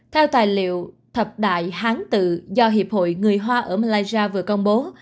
theo tài liệu thập đại hán tự do hiệp hội người hoa ở malaysia vừa công bố